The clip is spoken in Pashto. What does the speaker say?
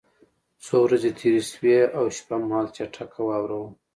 څو ورځې تېرې شوې او شپه مهال چټکه واوره وه